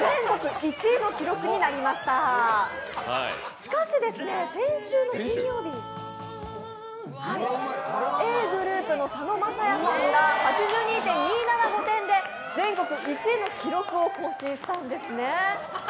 しかし先週の金曜日、Ａぇ！Ｇｒｏｕｐの佐野晶哉さんが８２．２７５点で全国１位の記録を更新したんですね